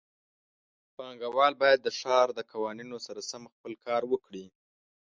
پانګهوال باید د ښار د قوانینو سره سم خپل کار وکړي.